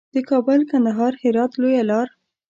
د کابل، کندهار، هرات لویه لار.